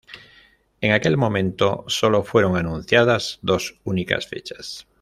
En aquel momento solo fueron anunciadas dos únicas fechas.